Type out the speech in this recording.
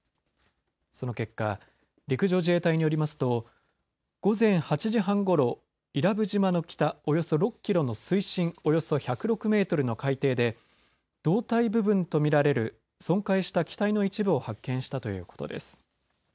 その結果陸上自衛隊によりますと午前８時半ごろ伊良部島の北およそ６キロの水深およそ１０６メートルの海底で胴体部分と見られる損壊した機体の一部を発見したということです。